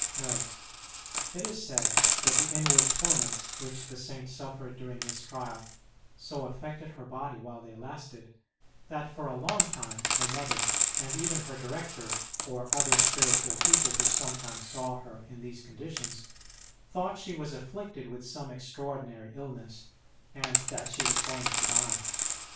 NOTE. It is said that the inward torments which the Saint suffered during this trial so affected her body while they lasted, that for a long time her mother, and even her director, or other spiritual people who sometimes saw her in these conditions, thought she was afflicted with some extra ordinary illness, and that she was going to die.